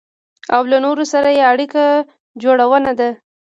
او له نورو سره يې اړيکه جوړونه ده.